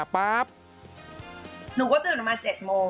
หนูก็ตื่นออกมา๗โมง